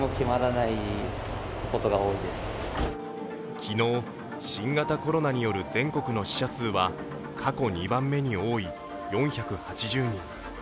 昨日、新型コロナによる全国の死者数は過去２番目に多い４８０人。